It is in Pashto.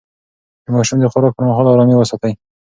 د ماشوم د خوراک پر مهال ارامي وساتئ.